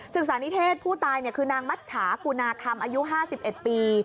ศึกษานิเทศผู้ตายคือนางมัชชากุณาคำอายุ๕๑ปี